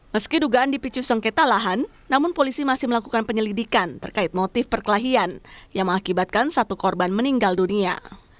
meski dugaan dipicu sengketa lahan namun polisi masih melakukan penyelidikan terkait motif perkelahian yang mengakibatkan satu korban meninggal dunia